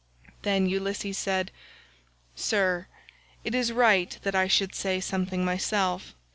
Then Ulysses said, "Sir, it is right that I should say something myself.